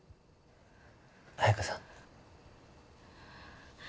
彩佳さん。